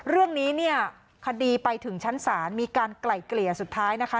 เรื่องนี้เนี่ยคดีไปถึงชั้นศาลมีการไกล่เกลี่ยสุดท้ายนะคะ